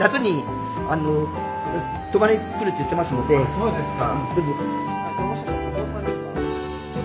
そうですか。